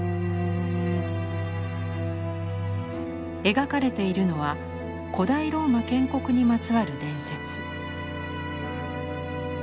描かれているのは古代ローマ建国にまつわる伝説。